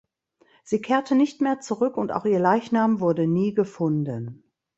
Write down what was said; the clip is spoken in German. Sie kehrte nicht mehr zurück und auch ihr Leichnam wurde nie gefunden.